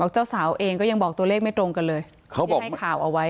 เจ้าสาวเองก็ยังบอกตัวเลขไม่ตรงกันเลยที่ให้ข่าวเอาไว้